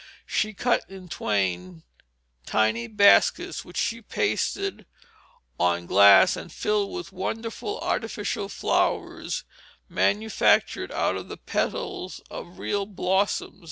She cut in twain tiny baskets, which she pasted on glass, and filled with wonderful artificial flowers manufactured out of the petals of real blossoms.